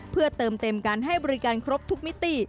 เพื่อเติมเต็มการให้บริการครบทุกมิติ